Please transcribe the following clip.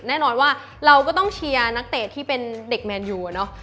แน่นอนว่าเราก็ต้องเชียร์นักเตะที่เป็นเด็กแมนยูอะเนาะ